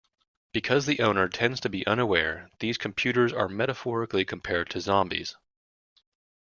Because the owner tends to be unaware, these computers are metaphorically compared to zombies.